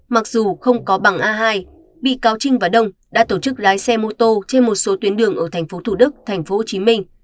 mặc dù không có bằng a hai bị cáo trinh và đông đã tổ chức lái xe mô tô trên một số tuyến đường ở tp thủ đức tp hcm